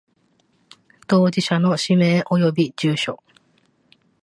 当事者の氏名及び住所